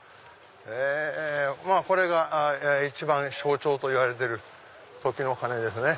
これが一番象徴といわれてる時の鐘ですね。